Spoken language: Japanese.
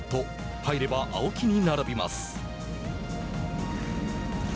入れば青木に並びます。